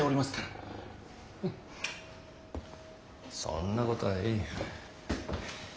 フッそんなことはいい。